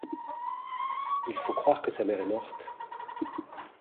Il faut croire que sa mère est morte.